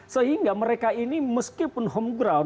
sehingga mereka ini meskipun home ground